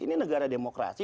ini negara demokrasi